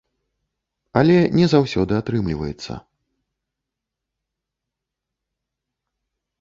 Але не заўсёды атрымліваецца.